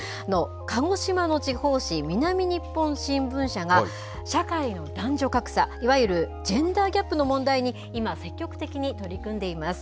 鹿児島の地方紙、南日本新聞社が、社会の男女格差、いわゆるジェンダーギャップの問題に、今、積極的に取り組んでいます。